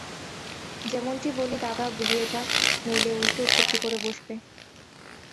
যেমনটি বলি দাগা বুলিয়ে যাক্, নইলে উল্টো উৎপত্তি করে বসবে।